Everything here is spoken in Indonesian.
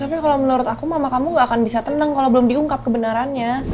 tapi kalau menurut aku mama kamu gak akan bisa tenang kalau belum diungkap kebenarannya